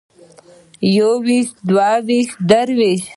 يوويشت دوويشت درويشت